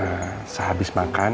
ehh sehabis makan